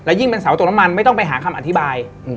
ยิ่งเป็นเสาตกน้ำมันไม่ต้องไปหาคำอธิบาย